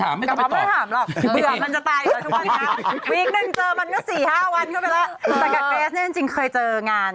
แต่แก่เตสเนี่ยจริงเคยเจองาน